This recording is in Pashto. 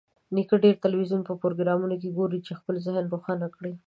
نیکه ډېر تلویزیوني پروګرامونه ګوري چې خپل ذهن روښانه کړي.